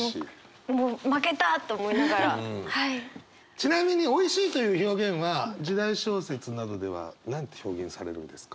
ちなみに「おいしい」という表現は時代小説などでは何て表現されるんですか？